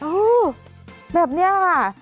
อู้วแบบนี้ค่ะ